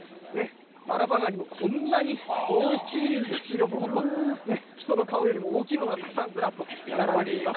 タラバガニもこんなに大きいんですよ、もう本当、人の顔よりも大きいものがたくさんずらっと並んでいます。